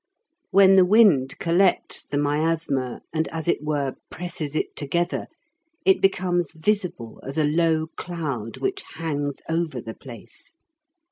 When the wind collects the miasma, and, as it were, presses it together, it becomes visible as a low cloud which hangs over the place.